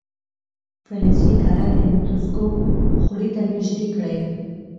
فلزي کره د الکتروسکوپ خولې ته نژدې کړئ.